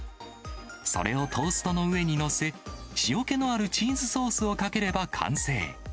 それをトーストの上に載せ、塩気のあるチーズソースをかければ完成。